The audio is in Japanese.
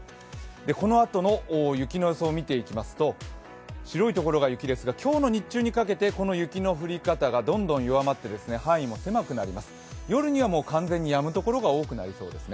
このあとの雪の予想を見ていきますと白いところが雪ですが今日の日中にかけてこの雪の降り方がどんどん弱まって範囲も狭くなります、夜にはもう完全にやむところが多くなります。